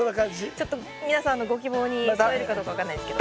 ちょっと皆さんのご希望に沿えるかどうか分かんないですけど。